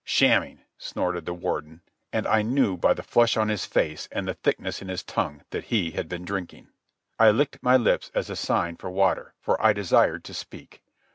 "Shamming," snorted the Warden, and I knew by the flush on his face and the thickness in his tongue that he had been drinking. I licked my lips as a sign for water, for I desired to speak.